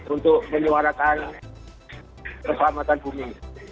untuk menyuarakan tempat matang bumi